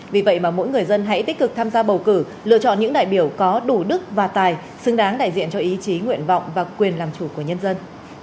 vì vậy mà mỗi người dân hãy tích cực tham gia bầu cử lựa chọn những đại biểu có đủ đức và tài xứng đáng đại diện cho ý chí nguyện vọng và quyền làm chủ của nhân dân